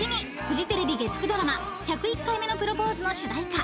フジテレビ月９ドラマ『１０１回目のプロポーズ』の主題歌］